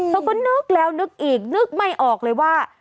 เขาก็นึกแล้วนึกอีกนึกไม่ออกเลยว่า